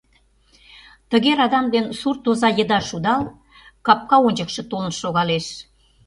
Тыге радам, дене сурт оза еда шудал, капка ончыкшо толын шогалеш.